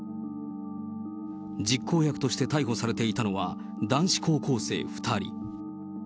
実行役として逮捕されていたのは、男子高校生２人。